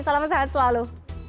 salam sehat selalu